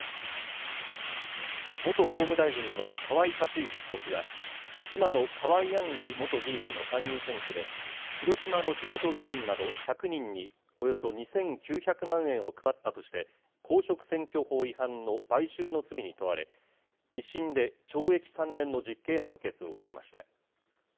元法務大臣の河井克行被告は、妻の河井案里元議員の参議院選挙で、広島の地元議員など、１００人におよそ２９００万円を配ったとして、公職選挙法違反の買収の罪に問われ、１審で懲役３年の実刑判決を受けました。